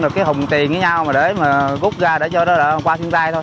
cái hùng tiền với nhau mà đế mà gút ra để cho nó qua thiên tai thôi